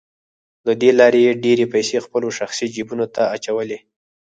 له دې لارې یې ډېرې پیسې خپلو شخصي جیبونو ته اچولې